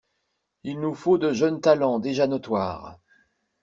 Il nous faut de jeunes talents déjà notoires.